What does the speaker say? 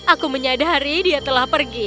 aku menyadari dia telah pergi